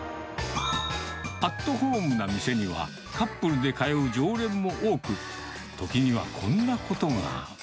アットホームな店には、カップルで通う常連も多く、時にはこんなことが。